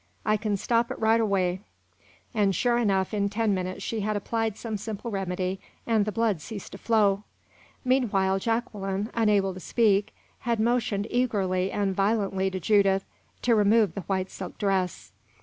I kin stop it righter way"; and, sure enough, in ten minutes she had applied some simple remedy and the blood ceased to flow. Meanwhile Jacqueline, unable to speak, had motioned eagerly and violently to Judith to remove the white silk dress.